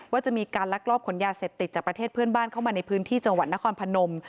ว่าจะมีการลักลอบขนยาเสพติดจากประเทศเพื่อนบ้านเข้ามาในพื้นที่จังหวัดนครพนม